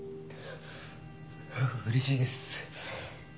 ううれしいです。